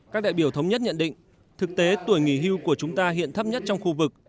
các đại biểu thống nhất nhận định thực tế tuổi nghỉ hưu của chúng ta hiện thấp nhất trong khu vực